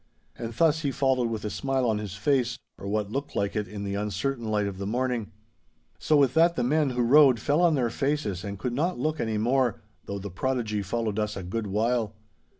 And thus he followed with a smile on his face, or what looked like it in the uncertain light of the morning. 'So with that the men who rowed fell on their faces and could not look any more, though the prodigy followed us a good while.